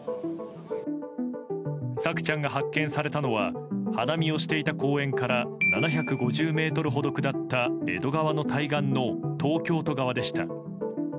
朔ちゃんが発見されたのは花見をしていた公園から７５０ｍほど下った江戸川の対岸の東京都側でした。